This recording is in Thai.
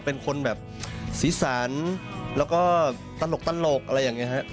เป็นคนแบบสีสันแล้วก็ตลกอะไรอย่างนี้ครับ